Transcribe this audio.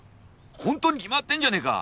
本当に決まってんじゃねえか。